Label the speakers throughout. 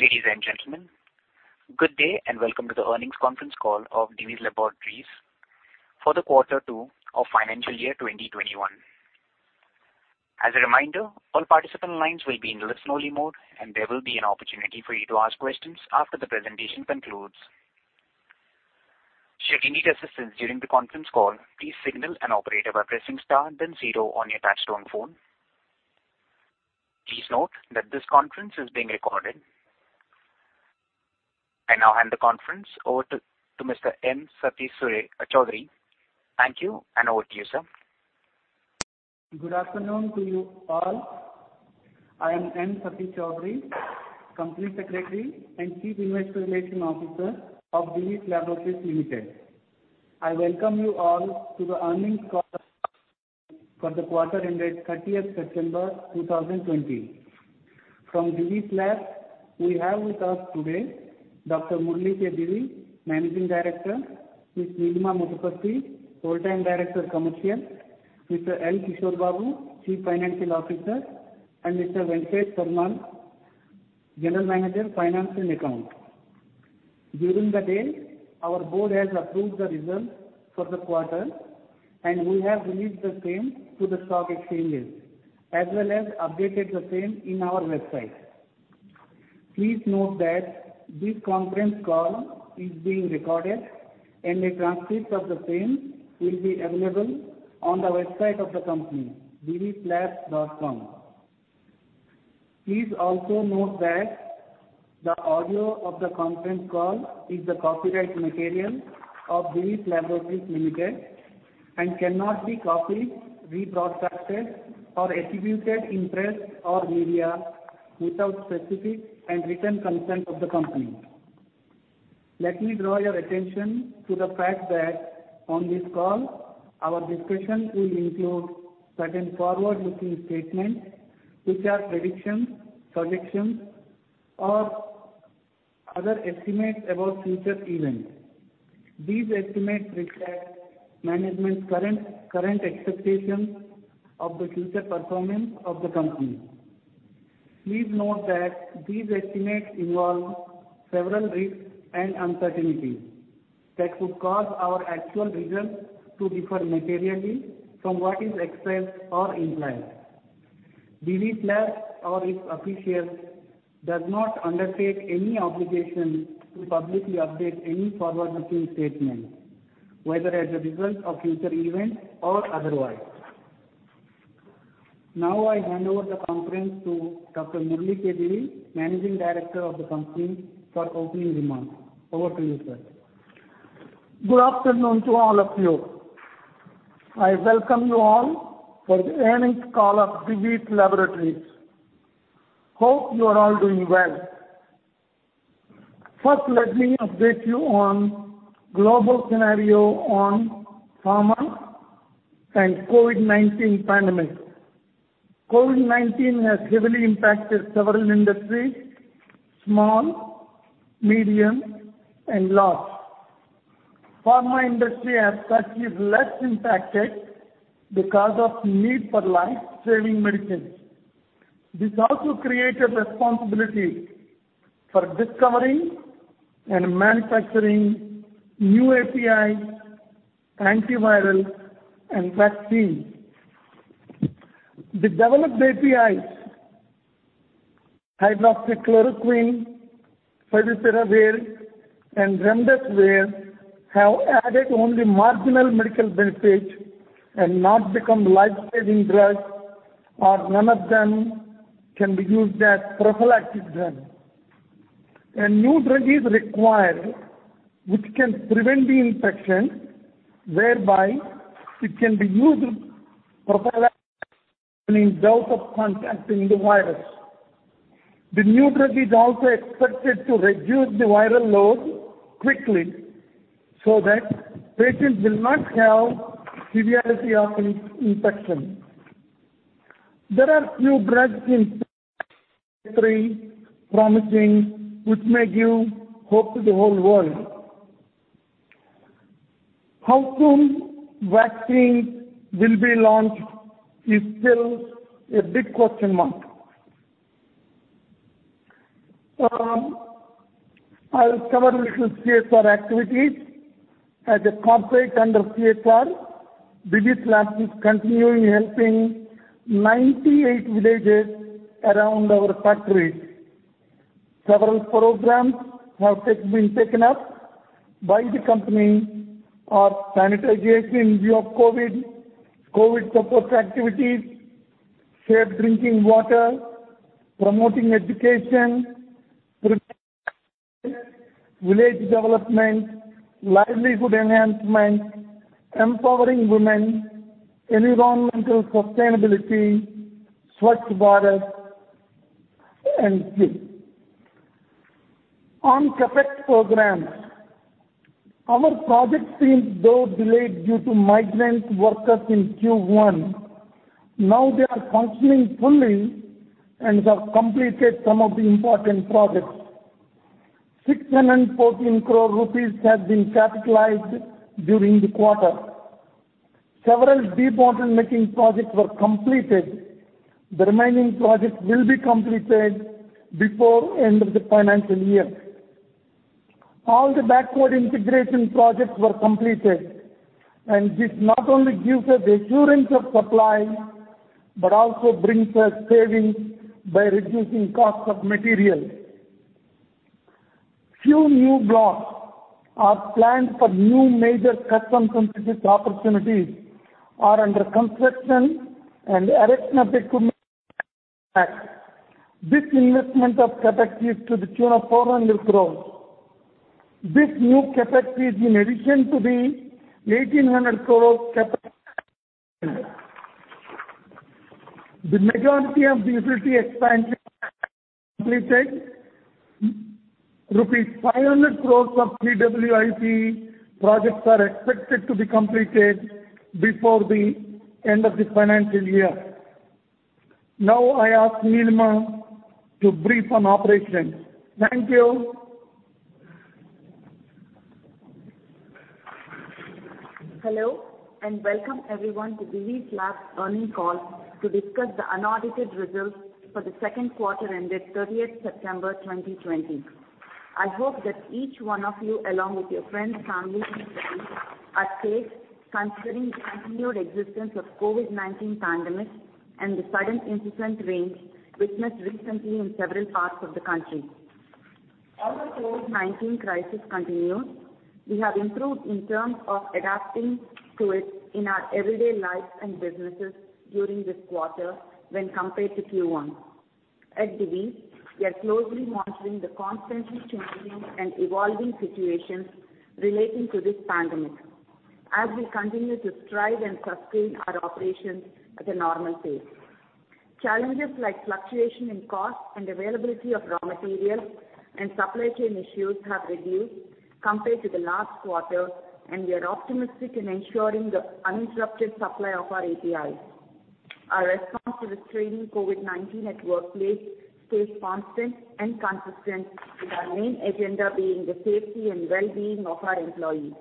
Speaker 1: Ladies and gentlemen, good day, and welcome to the earnings conference call of Divi's Laboratories for the quarter two of financial year 2021. As a reminder, all participant lines will be in listen-only mode, and there will be an opportunity for you to ask questions after the presentation concludes. Should you need assistance during the conference call, please signal an operator by pressing star then zero on your touch-tone phone. Please note that this conference is being recorded. I now hand the conference over to Mr. M. Satish Choudhury. Thank you, and over to you, sir.
Speaker 2: Good afternoon to you all. I am M. Satish Choudhury, Company Secretary and Chief Investor Relation Officer of Divi's Laboratories Limited. I welcome you all to the earnings call for the quarter ended 30th September 2020. From Divi's Lab, we have with us today Dr. Murali K. Divi, Managing Director, Ms. Nilima Motaparti, Whole-Time Director Commercial, Mr. L. Kishore Babu, Chief Financial Officer, and Mr. Venkatesa Perumallu, General Manager, Finance and Accounts. During the day, our board has approved the results for the quarter, and we have released the same to the stock exchanges, as well as updated the same in our website. Please note that this conference call is being recorded, and a transcript of the same will be available on the website of the company, divislabs.com. Please also note that the audio of the conference call is the copyright material of Divi's Laboratories Limited and cannot be copied, reproduced, or attributed in press or media without specific and written consent of the company. Let me draw your attention to the fact that on this call, our discussion will include certain forward-looking statements, which are predictions, projections, or other estimates about future events. These estimates reflect management's current expectations of the future performance of the company. Please note that these estimates involve several risks and uncertainties that could cause our actual results to differ materially from what is expressed or implied. Divi's Lab or its officials does not undertake any obligation to publicly update any forward-looking statement, whether as a result of future events or otherwise. Now, I hand over the conference to Dr. Murali K. Divi, Managing Director of the company, for opening remarks. Over to you, sir.
Speaker 3: Good afternoon to all of you. I welcome you all for the earnings call of Divi's Laboratories. Hope you are all doing well. First, let me update you on global scenario on pharma and COVID-19 pandemic. COVID-19 has heavily impacted several industries, small, medium, and large. Pharma industry has actually less impacted because of need for life-saving medicines. This also created responsibility for discovering and manufacturing new APIs, antivirals, and vaccines. The developed APIs, hydroxychloroquine, favipiravir, and remdesivir, have added only marginal medical benefit and not become life-saving drugs, or none of them can be used as prophylactic drug. A new drug is required which can prevent the infection, whereby it can be used prophylactically in doubt of contacting the virus. The new drug is also expected to reduce the viral load quickly so that patients will not have severity of infection. There are few drugs in promising, which may give hope to the whole world. How soon vaccine will be launched is still a big question mark. I'll cover little CSR activities. As a concept under CSR, Divi's Lab is continuing helping 98 villages around our factories. Several programs have been taken up by the company are sanitization in view of COVID support activities, safe drinking water, promoting education, village development, livelihood enhancement, empowering women, environmental sustainability, Swachh Bharat, and GIG. On CapEx programs, our project teams, though delayed due to migrant workers in Q1, now they are functioning fully and have completed some of the important projects. 614 crore rupees has been capitalized during the quarter. Several debottlenecking projects were completed. The remaining projects will be completed before end of the financial year. All the backward integration projects were completed. This not only gives us assurance of supply, but also brings us savings by reducing cost of materials. Few new blocks are planned for new major Custom Synthesis opportunities are under construction and erection of equipment. This investment of capacities to the tune of 400 crores. This new capacity is in addition to the 1,800 crore capacity. The majority of the utility expansion completed. Rupees 500 crores of CWIP projects are expected to be completed before the end of the financial year. I ask Nilima to brief on operations. Thank you.
Speaker 4: Hello, and welcome everyone to Divi's Labs' earnings call to discuss the unaudited results for the second quarter ended 30th September 2020. I hope that each one of you, along with your friends, family, and colleagues are safe considering the continued existence of COVID-19 pandemic and the sudden incessant rains witnessed recently in several parts of the country. Although COVID-19 crisis continues, we have improved in terms of adapting to it in our everyday lives and businesses during this quarter when compared to Q1. At Divi's, we are closely monitoring the constantly changing and evolving situations relating to this pandemic as we continue to strive and sustain our operations at a normal pace. Challenges like fluctuation in cost and availability of raw materials and supply chain issues have reduced compared to the last quarter, and we are optimistic in ensuring the uninterrupted supply of our APIs. Our response to restraining COVID-19 at workplace stays constant and consistent, with our main agenda being the safety and well-being of our employees.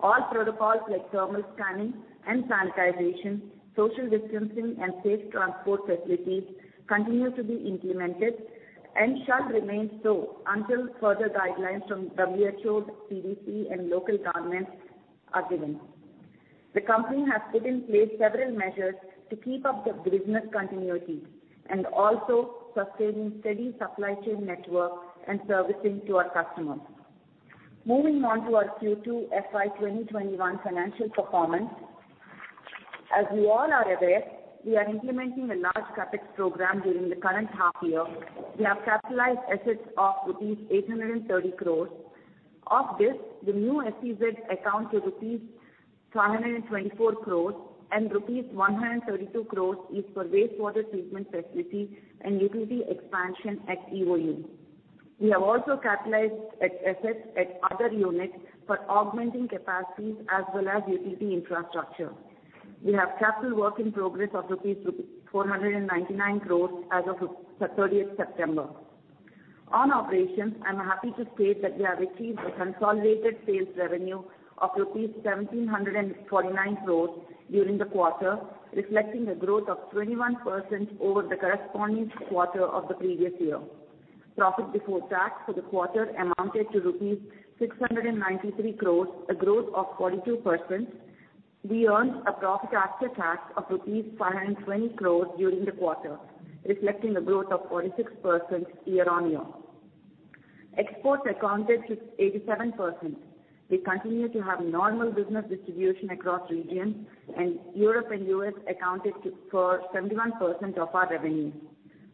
Speaker 4: All protocols like thermal scanning and sanitization, social distancing, and safe transport facilities continue to be implemented and shall remain so until further guidelines from WHO, CDC, and local governments are given. The company has put in place several measures to keep up the business continuity and also sustaining steady supply chain network and servicing to our customers. Moving on to our Q2 FY 2021 financial performance. As you all are aware, we are implementing a large CapEx program during the current half year. We have capitalized assets of rupees 830 crores. Of this, the new SEZ account to rupees 524 crores and rupees 132 crores is for wastewater treatment facility and utility expansion at EOU. We have also capitalized assets at other units for augmenting capacities as well as utility infrastructure. We have capital work in progress of rupees 499 crores as of 30th September. On operations, I'm happy to state that we have achieved a consolidated sales revenue of 1,749 crores during the quarter, reflecting a growth of 21% over the corresponding quarter of the previous year. Profit before tax for the quarter amounted to rupees 693 crores, a growth of 42%. We earned a profit after tax of rupees 520 crores during the quarter, reflecting a growth of 46% year-on-year. Exports accounted to 87%. We continue to have normal business distribution across regions, and Europe and U.S. accounted for 71% of our revenue.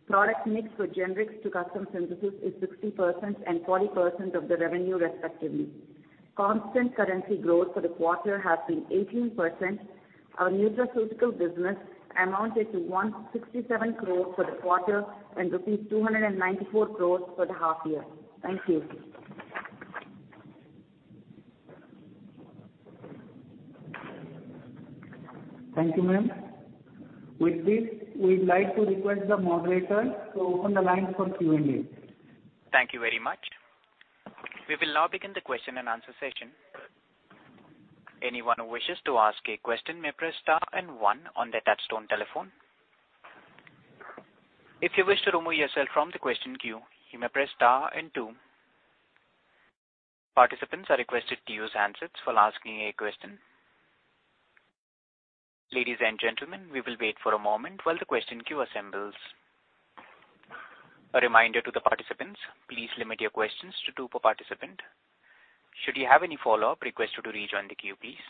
Speaker 4: Product mix for generics to Custom Synthesis is 60% and 40% of the revenue, respectively. Constant currency growth for the quarter has been 18%. Our nutraceutical business amounted to 167 crores for the quarter and rupees 294 crores for the half year. Thank you.
Speaker 2: Thank you, ma'am. With this, we'd like to request the moderator to open the line for Q&A.
Speaker 1: Thank you very much. We will now begin the question and answer session. Anyone who wishes to ask a question may press star and one on their touchtone telephone. If you wish to remove yourself from the question queue, you may press star and two. Participants are requested to use handsets while asking a question. Ladies and gentlemen, we will wait for a moment while the question queue assembles. A reminder to the participants, please limit your questions to two per participant. Should you have any follow-up, request you to rejoin the queue, please.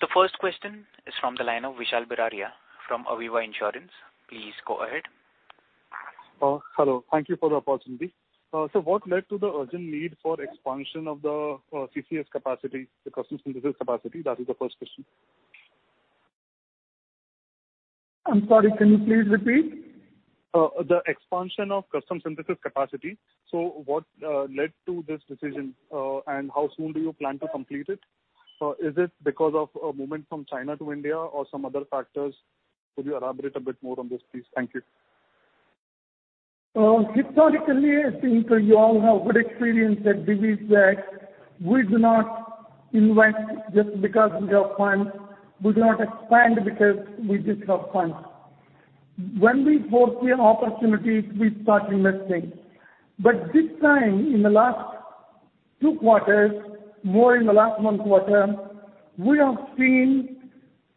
Speaker 1: The first question is from the line of Vishal Biraia from Aviva Insurance. Please go ahead.
Speaker 5: Hello. Thank you for the opportunity. What led to the urgent need for expansion of the CS capacity, the Custom Synthesis capacity? That is the first question.
Speaker 3: I'm sorry. Can you please repeat?
Speaker 5: The expansion of Custom Synthesis capacity. What led to this decision? How soon do you plan to complete it? Is it because of a movement from China to India or some other factors? Could you elaborate a bit more on this, please? Thank you.
Speaker 3: Historically, I think you all have good experience at Divi's that we do not invest just because we have funds. We do not expand because we just have funds. When we foresee an opportunity, we start investing. This time, in the last two quarters, more in the last one quarter, we have seen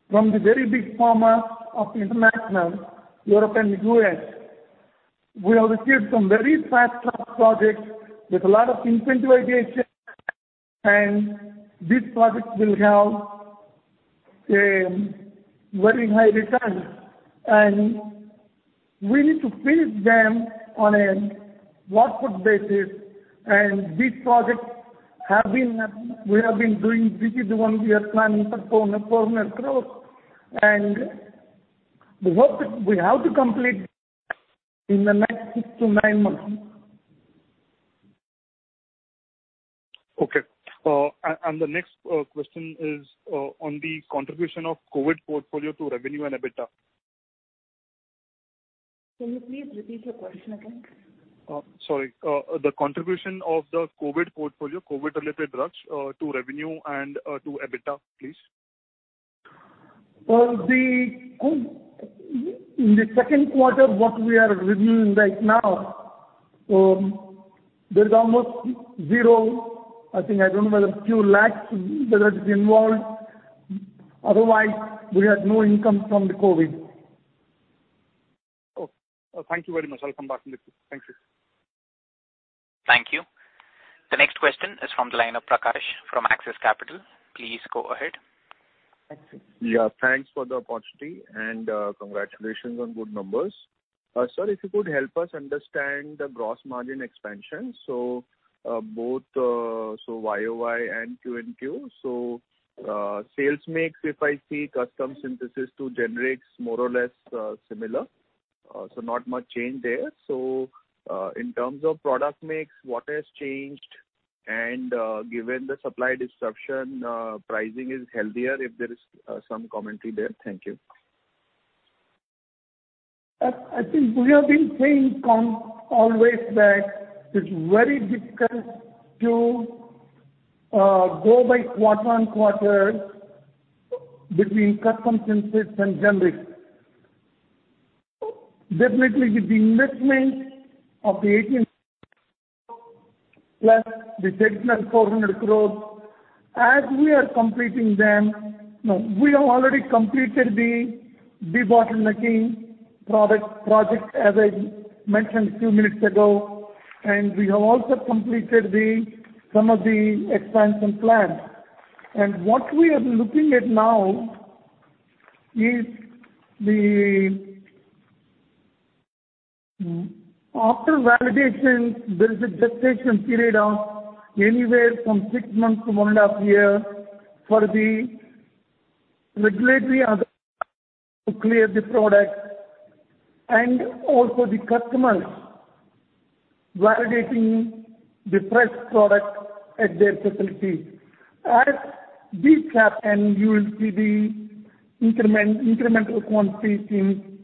Speaker 3: from the very big pharma of international, Europe and the U.S., we have received some very fast track projects with a lot of incentivization, and these projects will have very high returns, and we need to finish them on a work put basis. These projects we have been doing, this is the one we are planning for INR 400 crores. We have to complete in the next six to nine months.
Speaker 5: Okay. The next question is on the contribution of COVID portfolio to revenue and EBITDA.
Speaker 4: Can you please repeat the question again?
Speaker 5: Sorry. The contribution of the COVID portfolio, COVID-related drugs, to revenue and to EBITDA, please?
Speaker 3: In the second quarter, what we are reviewing right now, there is almost zero. I think, I don't know, whether few lakhs, whether it is involved. Otherwise, we had no income from the COVID-19.
Speaker 5: Okay. Thank you very much. I'll come back to you. Thank you.
Speaker 1: Thank you. The next question is from the line of Prakash from Axis Capital. Please go ahead.
Speaker 6: Thanks for the opportunity and congratulations on good numbers. Sir, if you could help us understand the gross margin expansion, both YoY and QoQ. Sales mix, if I see Custom Synthesis to generics, more or less similar. Not much change there. In terms of product mix, what has changed? Given the supply disruption, pricing is healthier, if there is some commentary there. Thank you.
Speaker 3: I think we have been saying always that it's very difficult to go by quarter-on-quarter between Custom Synthesis and generic. With the investment of the plus the additional 400 crore, as we are completing them, we have already completed the de-bottlenecking project, as I mentioned a few minutes ago, and we have also completed some of the expansion plans. What we are looking at now is the After validation, there's a gestation period of anywhere from six months to one and a half year for the regulatory authorities to clear the product and also the customers validating the fresh product at their facility. At this gap end, you will see the incremental quantity in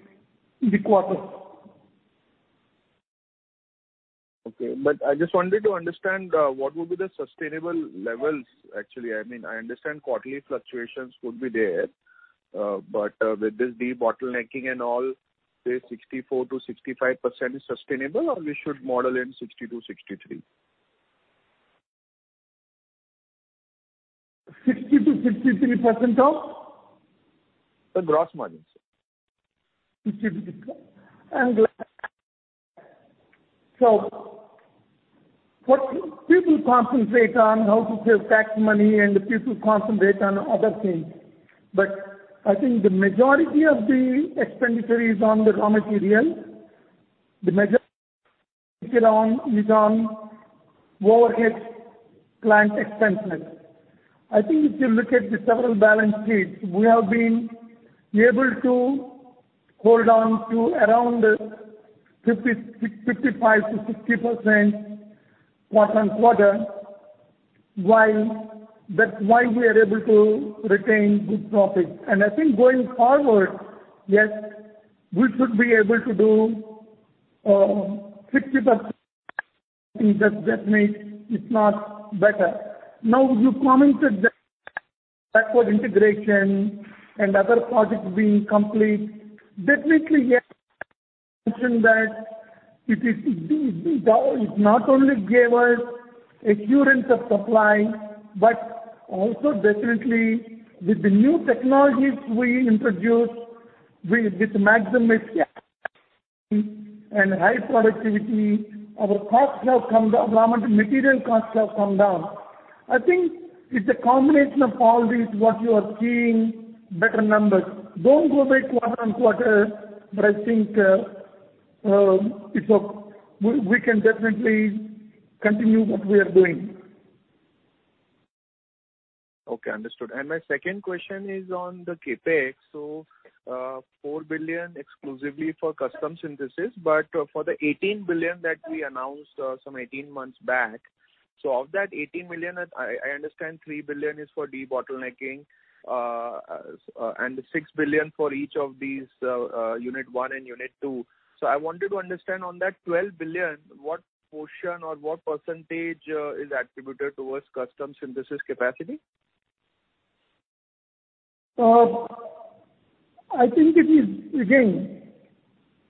Speaker 3: the quarter.
Speaker 6: Okay. I just wanted to understand what would be the sustainable levels, actually. I mean, I understand quarterly fluctuations could be there. With this de-bottlenecking and all, say, 64%-65% is sustainable, or we should model in 62%, 63%?
Speaker 3: 60% to 63% of?
Speaker 6: The gross margin, sir.
Speaker 3: People concentrate on how to save tax money, and people concentrate on other things. I think the majority of the expenditure is on the raw material. The majority is on overhead plant expansion. I think if you look at the several balance sheets, we have been able to hold on to around 55%-60% quarter on quarter. That's why we are able to retain good profit. I think going forward, yes, we should be able to do 60%. I think that makes it not better. You commented that backward integration and other projects being complete. Definitely, yes, I mentioned that. It not only gave us assurance of supply, but also definitely with the new technologies we introduced with maximum and high productivity, our costs have come down. Raw material costs have come down. I think it's a combination of all these what you are seeing better numbers. Don't go by quarter on quarter, I think we can definitely continue what we are doing.
Speaker 6: Okay, understood. My second question is on the CapEx. 4 billion exclusively for Custom Synthesis, but for the 18 billion that we announced some 18 months back. Of that 18 billion, I understand 3 billion is for de-bottlenecking, and 6 billion for each of these unit one and unit two. I wanted to understand on that 12 billion, what portion or what percentage is attributed towards Custom Synthesis capacity?
Speaker 3: I think it is, again,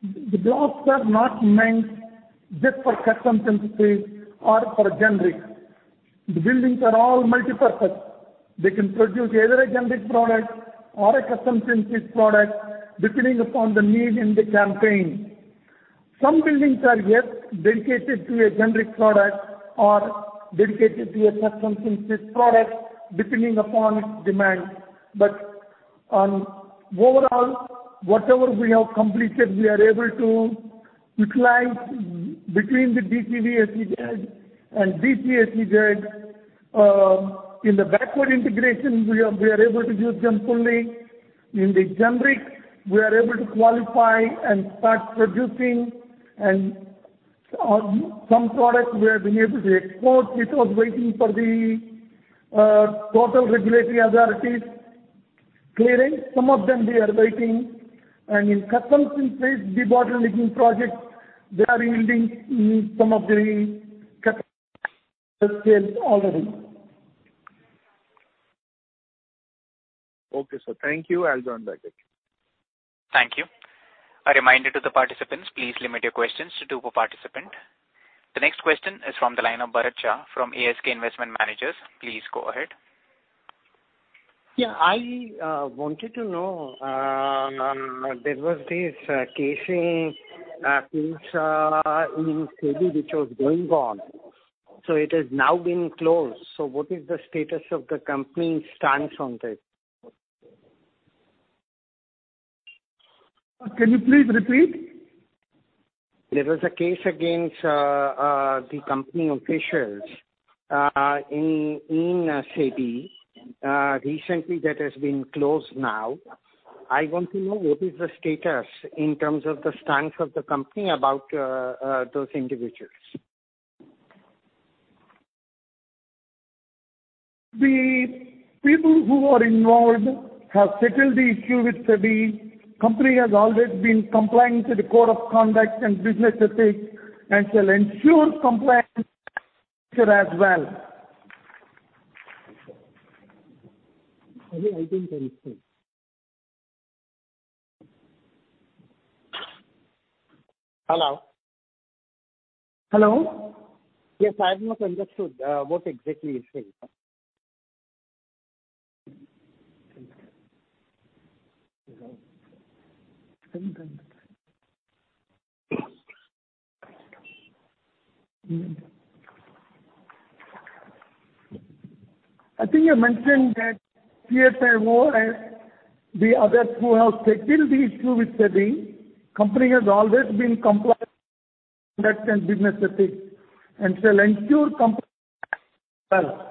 Speaker 3: the blocks are not meant just for Custom Synthesis or for generics. The buildings are all multipurpose. They can produce either a generic product or a Custom Synthesis product depending upon the need in the campaign. Some buildings are, yes, dedicated to a generic product or dedicated to a Custom Synthesis product depending upon its demand. On overall, whatever we have completed, we are able to utilize between the DCV-SEZ and DC-SEZ. In the backward integration, we are able to use them fully. In the generic, we are able to qualify and start producing and some products we have been able to export, it was waiting for the total regulatory authorities clearance. Some of them we are waiting, and in Custom Synthesis, de-bottlenecking projects, they are yielding some of the sales already.
Speaker 6: Okay, sir. Thank you. I'll join back.
Speaker 1: Thank you. A reminder to the participants, please limit your questions to two per participant. The next question is from the line of Bharat Shah from ASK Investment Managers. Please go ahead.
Speaker 7: Yeah. I wanted to know, there was this case against in SEBI, which was going on. It has now been closed. What is the status of the company's stance on this?
Speaker 3: Can you please repeat?
Speaker 7: There was a case against the company officials in SEBI, recently that has been closed now. I want to know what is the status in terms of the stance of the company about those individuals.
Speaker 3: The people who are involved have settled the issue with SEBI. Company has always been complying to the code of conduct and business ethics, and shall ensure compliance as well.
Speaker 7: I didn't understand. Hello?
Speaker 3: Hello.
Speaker 7: Yes, I have not understood what exactly you're saying.
Speaker 3: I think I mentioned that [inaudible] and the others who have settled the issue with SEBI, company has always been compliant and business ethics and shall ensure compliance well.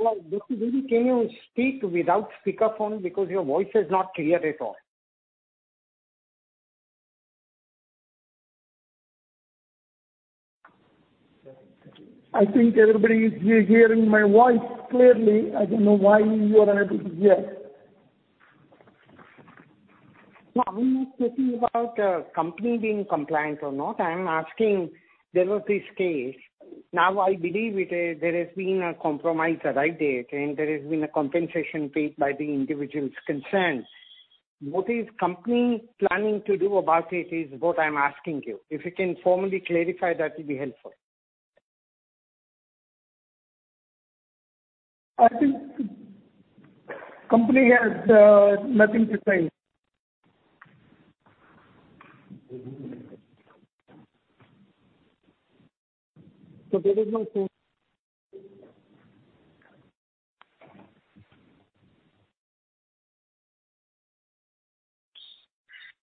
Speaker 7: Well, Dr. Divi, can you speak without speaker phone because your voice is not clear at all.
Speaker 3: I think everybody is hearing my voice clearly. I don't know why you are unable to hear.
Speaker 7: No, I'm not talking about company being compliant or not. I am asking, there was this case. Now I believe there has been a compromise arrived at, and there has been a compensation paid by the individuals concerned. What is company planning to do about it is what I'm asking you. If you can formally clarify, that would be helpful.
Speaker 3: I think company has nothing to say.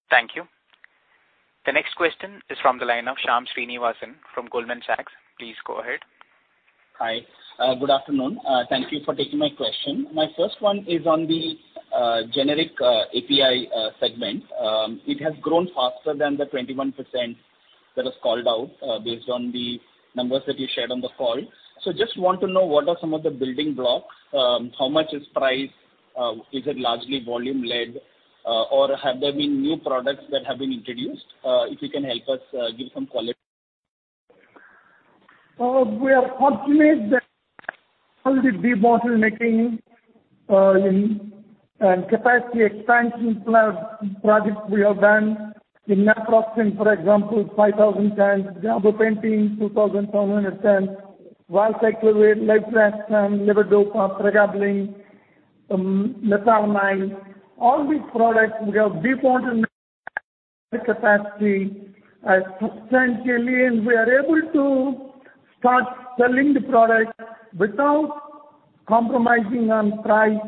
Speaker 1: Thank you. The next question is from the line of Shyam Srinivasan from Goldman Sachs. Please go ahead.
Speaker 8: Hi. Good afternoon. Thank you for taking my question. My first one is on the generic API segment. It has grown faster than the 21% that was called out based on the numbers that you shared on the call. Just want to know what are some of the building blocks, how much is price? Is it largely volume-led? Have there been new products that have been introduced? If you can help us give some color.
Speaker 3: We are fortunate that all the de-bottlenecking, and capacity expansion projects we have done. In naproxen, for example, 5,000 tons, gabapentin, 2,700 tons, valacyclovir, levothyroxine, levodopa, pregabalin, metoclopramide. All these products we have de-bottlenecked capacity substantially, and we are able to start selling the product without compromising on price,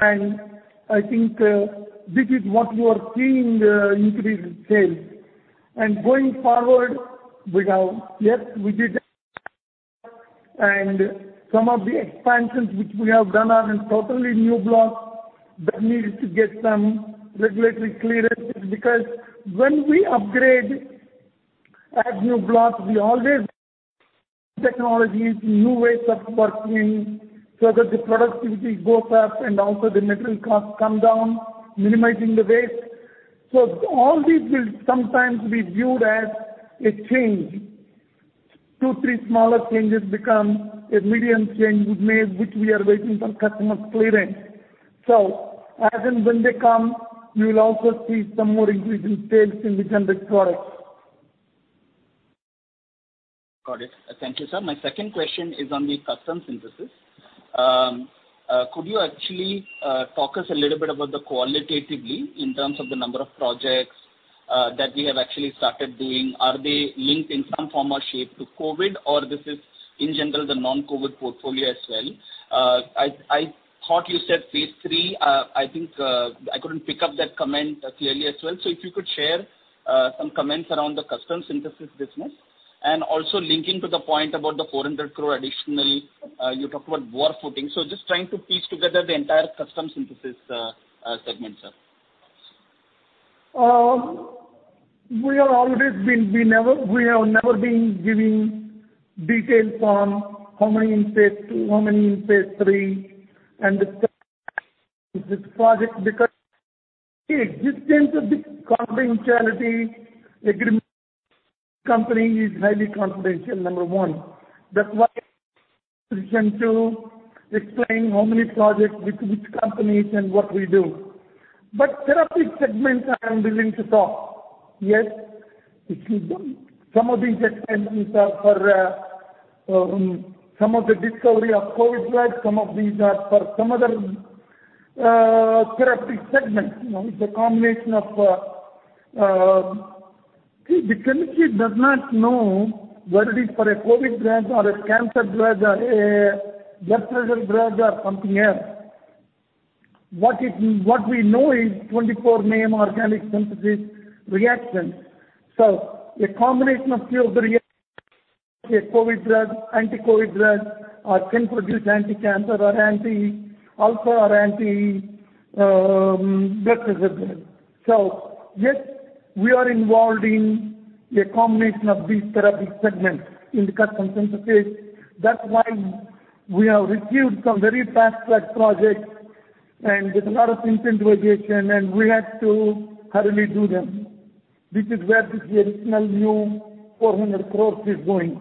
Speaker 3: I think this is what you are seeing the increase in sales. Going forward, yes, we did and some of the expansions which we have done are in totally new blocks that needed to get some regulatory clearances. Because when we upgrade at new blocks, we always technologies, new ways of working, so that the productivity goes up and also the material costs come down, minimizing the waste. All these will sometimes be viewed as a change. two, three smaller changes become a medium change which we are waiting for customers' clearance. As and when they come, you will also see some more increase in sales in the generic products.
Speaker 8: Got it. Thank you, sir. My second question is on the Custom Synthesis. Could you actually talk us a little bit about the qualitatively in terms of the number of projects that we have actually started doing? Are they linked in some form or shape to COVID-19, or this is in general the non-COVID-19 portfolio as well? I thought you said phase III. I think I couldn't pick up that comment clearly as well. If you could share some comments around the Custom Synthesis business, and also linking to the point about the 400 crore additional you talked about war footing. Just trying to piece together the entire Custom Synthesis segment, sir.
Speaker 3: We have never been giving details on how many in phase II, how many in phase III, and this project because the existence of the confidentiality agreement company is highly confidential, number one. That's why we are not in a position to explain how many projects with which companies and what we do. Therapeutic segments I am willing to talk. Yes, some of these expansions are for some of the discovery of COVID drugs, some of these are for some other therapeutic segments. It's a combination of See, the chemistry does not know whether it is for a COVID drug or a cancer drug or a blood pressure drug or something else. What we know is 24 name organic synthesis reactions. A combination of few of the reactions a COVID drug, anti-COVID drug, or can produce anti-cancer or anti-ulcer or anti-blood pressure drug. Yes, we are involved in a combination of these therapeutic segments in the Custom Synthesis. That's why we have received some very fast-track projects and with a lot of incentivization, and we had to hurriedly do them. This is where this additional new 400 crores is going.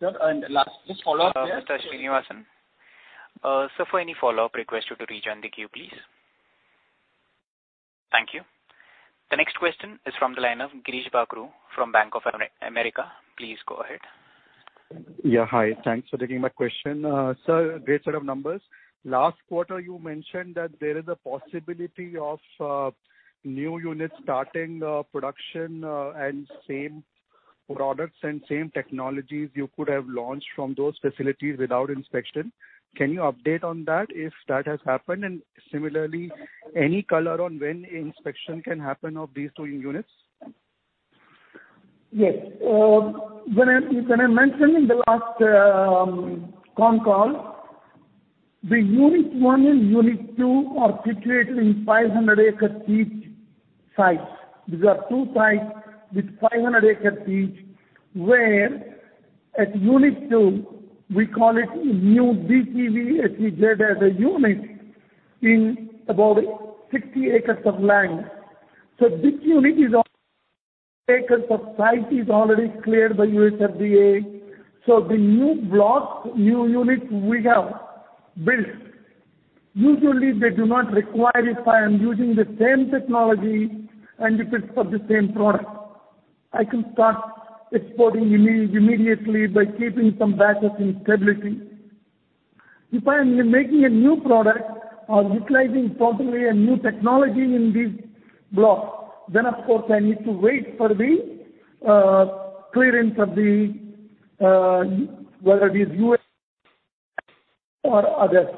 Speaker 8: Sir, last, just follow up.
Speaker 1: Mr. Srinivasan. Sir, for any follow-up, I request you to rejoin the queue, please. Thank you. The next question is from the line of Girish Bakhru from Bank of America. Please go ahead.
Speaker 9: Yeah, hi. Thanks for taking my question. Sir, great set of numbers. Last quarter, you mentioned that there is a possibility of new units starting production and same products and same technologies you could have launched from those facilities without inspection. Can you update on that if that has happened? Similarly, any color on when inspection can happen of these two units?
Speaker 3: Yes. When I mentioned in the last con call, the unit-1 and unit-2 are situated in 500 acres each sites. These are two sites with 500 acres each, where at unit-2, we call it new DPAPZ as a unit in about 60 acres of land. This unit is acres of site is already cleared by USFDA. The new block, new unit we have built. Usually they do not require if I am using the same technology and if it's for the same product. I can start exporting immediately by keeping some batches in stability. If I am making a new product or utilizing totally a new technology in this block, then of course, I need to wait for the clearance of the whether it is U.S. or others.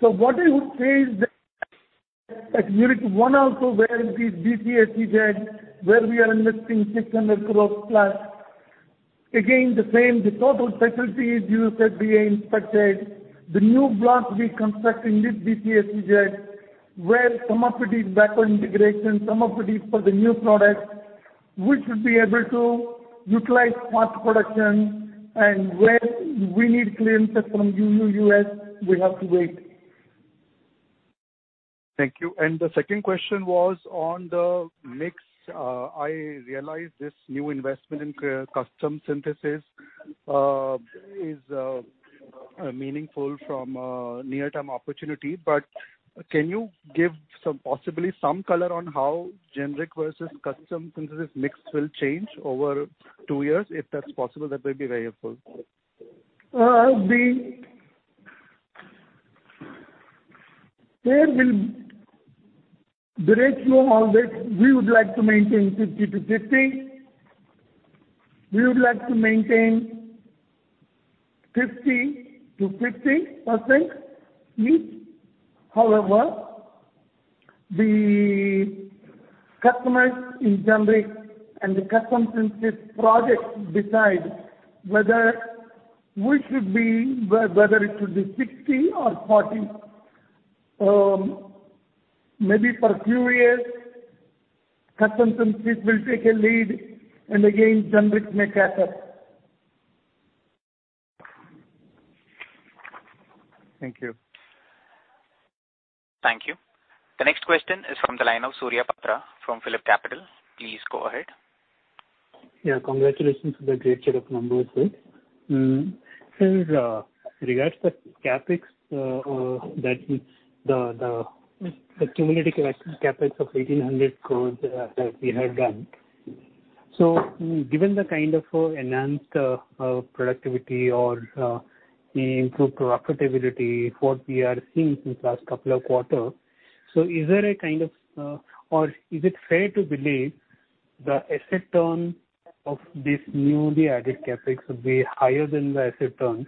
Speaker 3: What I would say is that at unit one also where it is DPAPZ where we are investing 600+ crores. Again, the same. The total facility is USFDA inspected. The new block we construct in this DPAPZ where some of it is backward integration, some of it is for the new product. We should be able to utilize part production and where we need clearances from U.S., we have to wait.
Speaker 9: Thank you. The second question was on the mix. I realize this new investment in Custom Synthesis is meaningful from a near-term opportunity. Can you give possibly some color on how generic versus Custom Synthesis mix will change over two years? If that's possible, that will be very helpful.
Speaker 3: The ratio always we would like to maintain 50/50. We would like to maintain 50%-50% each. However, the customers in generic and the Custom Synthesis projects decide whether it should be 60/40. Maybe for a few years, Custom Synthesis will take a lead, and again, generic may catch up.
Speaker 9: Thank you.
Speaker 1: Thank you. The next question is from the line of Surya Patra from PhillipCapital. Please go ahead.
Speaker 10: Yeah. Congratulations on the great set of numbers. Sir, regards the cumulative CapEx of 1,800 crore that we had done. Given the kind of enhanced productivity or improved profitability, what we are seeing since last couple of quarters, is it fair to believe the asset turn of this newly added CapEx will be higher than the asset turn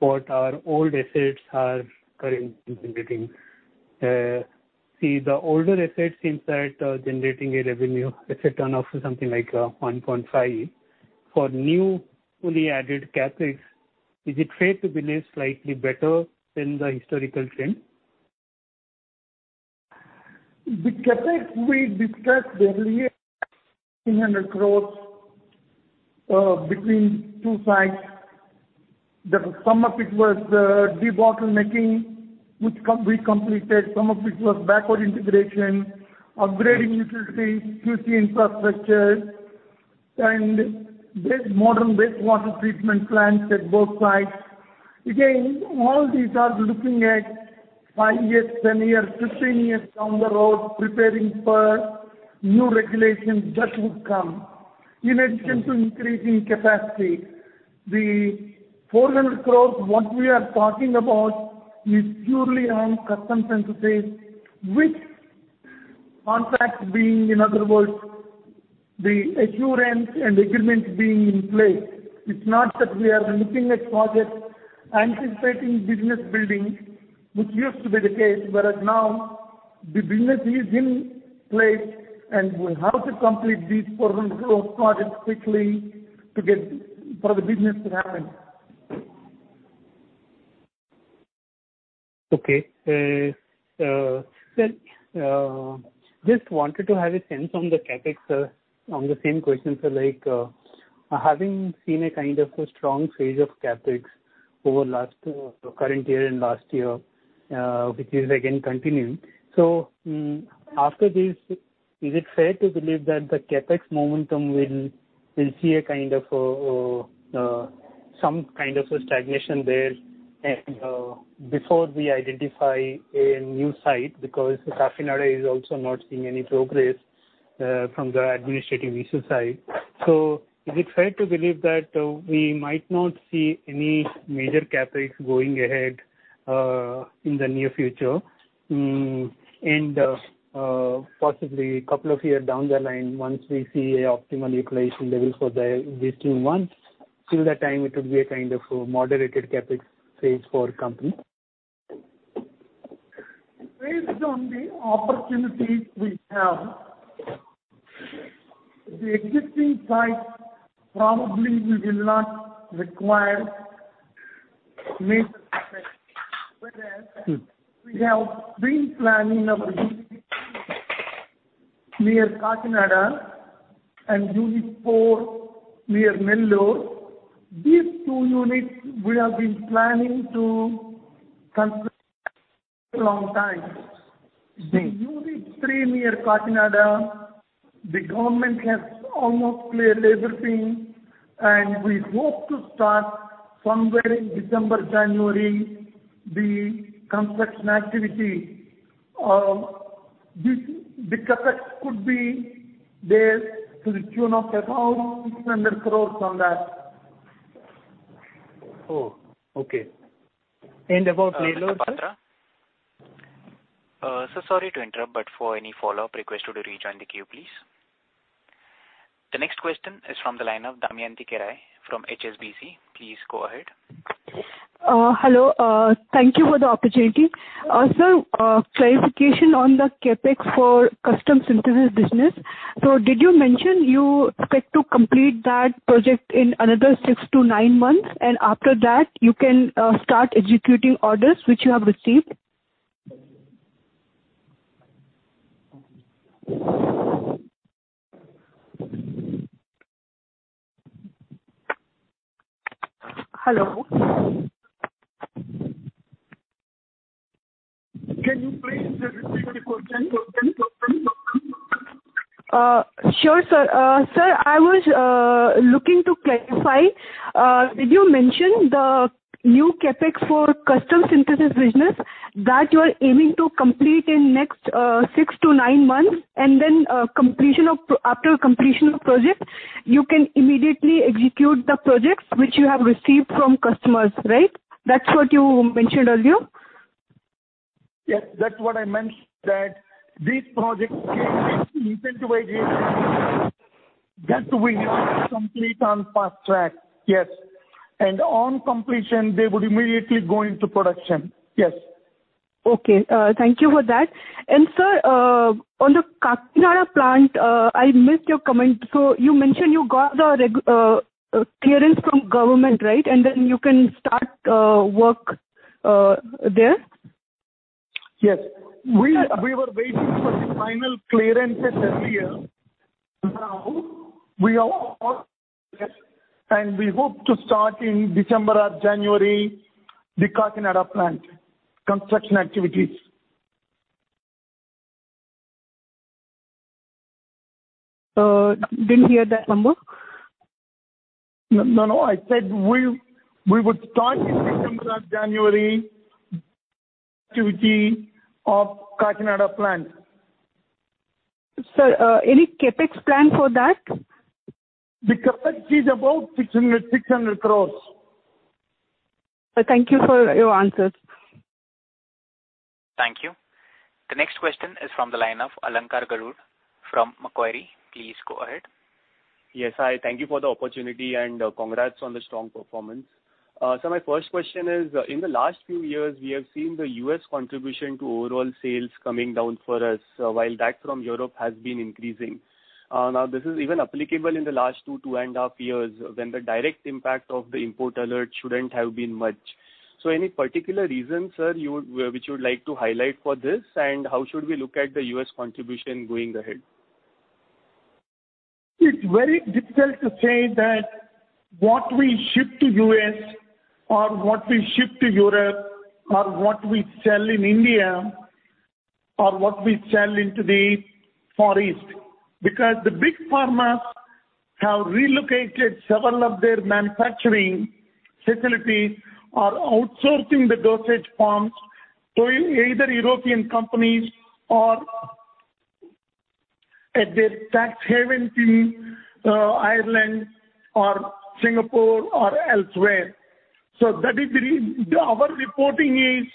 Speaker 10: what our old assets are currently generating? See, the older assets seem to be generating a revenue asset turn of something like 1.5. For new fully added CapEx, is it fair to believe slightly better than the historical trend?
Speaker 3: The CapEx we discussed earlier, INR 300 crore between two sites. Some of it was the bottlenecking, which we completed. Some of it was backward integration, upgrading utilities, QC infrastructure, and modern wastewater treatment plants at both sites. All these are looking at five years, 10 years, 15 years down the road, preparing for new regulations that would come, in addition to increasing capacity. The 400 crore, what we are talking about is purely on Custom Synthesis, with contracts being, in other words, the assurance and agreement being in place. It's not that we are looking at projects anticipating business building, which used to be the case. Now the business is in place, and we have to complete these INR 400 crore projects quickly for the business to happen.
Speaker 10: Okay. Sir, just wanted to have a sense on the CapEx, on the same question. Sir, having seen a kind of a strong phase of CapEx over current year and last year, which is again continuing. After this, is it fair to believe that the CapEx momentum will see some kind of a stagnation there and before we identify a new site? Because the Kakinada is also not seeing any progress from the administrative issue side. Is it fair to believe that we might not see any major CapEx going ahead in the near future and possibly a couple of years down the line, once we see an optimal utilization level for the existing one? Till that time, it will be a kind of a moderated CapEx phase for company.
Speaker 3: Based on the opportunities we have, the existing site probably will not require major CapEx. We have been planning our unit near Kakinada and unit-4 near Nellore. These two units we have been planning to complete for a long time. The unit-3 near Kakinada, the government has almost cleared everything, and we hope to start somewhere in December, January, the construction activity. The CapEx could be there to the tune of around INR 300 crore on that.
Speaker 10: Oh, okay. About, [inaudible] sir?
Speaker 1: Sir Patra? Sir, sorry to interrupt, but for any follow-up, request you to rejoin the queue, please. The next question is from the line of Damayanti Kerai from HSBC. Please go ahead.
Speaker 11: Hello. Thank you for the opportunity. Sir, clarification on the CapEx for Custom Synthesis business. Did you mention you expect to complete that project in another six to nine months, and after that you can start executing orders which you have received? Hello?
Speaker 3: Can you please repeat the question?
Speaker 11: Sure, sir. Sir, I was looking to clarify. Did you mention the new CapEx for Custom Synthesis business that you're aiming to complete in next six to nine months, and then after completion of project, you can immediately execute the projects which you have received from customers, right? That's what you mentioned earlier.
Speaker 3: Yes, that's what I meant, that these projects incentivization that we have to complete on fast track. Yes. On completion, they would immediately go into production. Yes.
Speaker 11: Okay. Thank you for that. Sir, on the Kakinada plant, I missed your comment. You mentioned you got the clearance from government, right? Then you can start work there.
Speaker 3: Yes. We were waiting for the final clearances every year. Now we have and we hope to start in December or January, the Kakinada plant construction activities.
Speaker 11: Didn't hear that number.
Speaker 3: No, I said we would start in December or January activity of Kakinada plant.
Speaker 11: Sir, any CapEx plan for that?
Speaker 3: The CapEx is about 600 crores.
Speaker 11: Sir, thank you for your answers.
Speaker 1: Thank you. The next question is from the line of Alankar Garude from Macquarie. Please go ahead.
Speaker 12: Yes. Thank you for the opportunity, and congrats on the strong performance. Sir, my first question is: In the last few years, we have seen the U.S. contribution to overall sales coming down for us, while that from Europe has been increasing. Now, this is even applicable in the last 2.5 years when the direct impact of the import alert shouldn't have been much. Any particular reason, sir, which you would like to highlight for this, and how should we look at the U.S. contribution going ahead?
Speaker 3: It's very difficult to say that what we ship to U.S. or what we ship to Europe or what we sell in India or what we sell into the Far East, because the big pharmas have relocated several of their manufacturing facilities or outsourcing the dosage forms to either European companies or at their tax haven in Ireland or Singapore or elsewhere. That is the reason our reporting is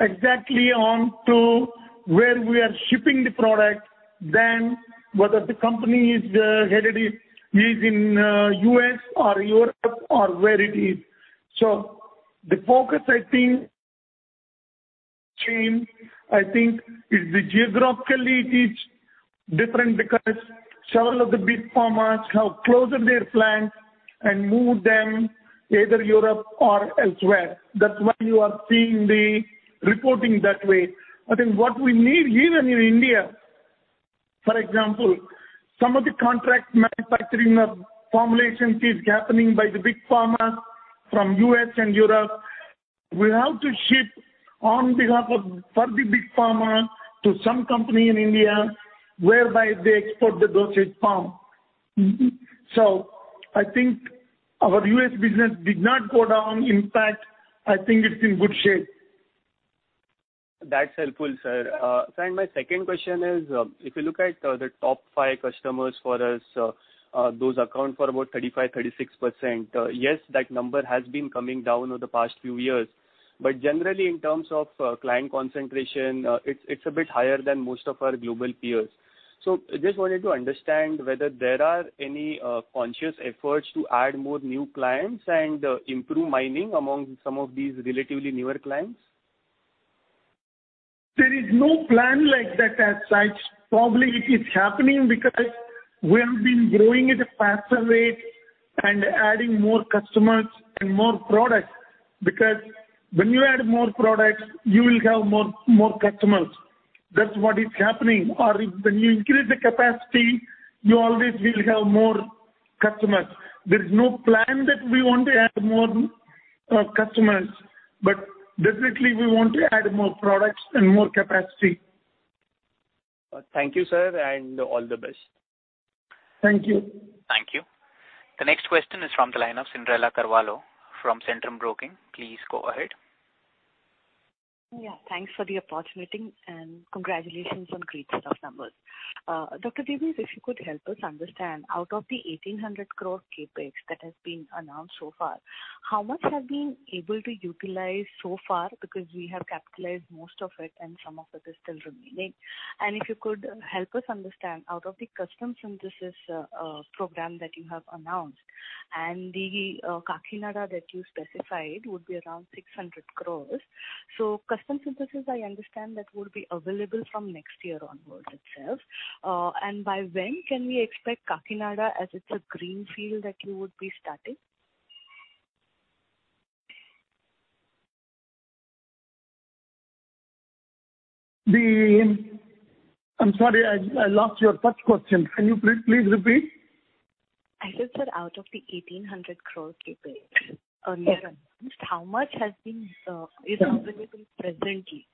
Speaker 3: exactly on to where we are shipping the product than whether the company is headed is in U.S. or Europe or where it is. The focus, I think changed. I think geographically it is different because several of the big pharmas have closed their plants and moved them to either Europe or elsewhere. That's why you are seeing the reporting that way. I think what we need even in India, for example, some of the contract manufacturing of formulations is happening by the big pharma from U.S. and Europe. We have to ship on behalf of, for the big pharma to some company in India whereby they export the dosage form. I think our U.S. business did not go down. In fact, I think it's in good shape.
Speaker 12: That's helpful, sir. Sir, my second question is: If you look at the top five customers for us, those account for about 35%, 36%. Yes, that number has been coming down over the past few years. Generally, in terms of client concentration, it's a bit higher than most of our global peers. I just wanted to understand whether there are any conscious efforts to add more new clients and improve mining among some of these relatively newer clients.
Speaker 3: There is no plan like that as such. Probably it is happening because we have been growing at a faster rate and adding more customers and more products. When you add more products, you will have more customers. That's what is happening. When you increase the capacity, you always will have more customers. There's no plan that we want to add more customers, but definitely we want to add more products and more capacity.
Speaker 12: Thank you, sir, and all the best.
Speaker 3: Thank you.
Speaker 1: Thank you. The next question is from the line of Cyndrella Carvalho from Centrum Broking. Please go ahead.
Speaker 13: Yeah. Thanks for the opportunity. Congratulations on great set of numbers. Dr. Divi, if you could help us understand, out of the 1,800 crore CapEx that has been announced so far, how much has been able to utilize so far? Because we have capitalized most of it and some of it is still remaining. If you could help us understand, out of the Custom Synthesis program that you have announced and the Kakinada that you specified would be around 600 crores. Custom synthesis, I understand that would be available from next year onwards itself. By when can we expect Kakinada as it's a greenfield that you would be starting?
Speaker 3: I'm sorry, I lost your first question. Can you please repeat?
Speaker 13: I said, sir, out of the 1,800 crore CapEx announced, how much is available presently?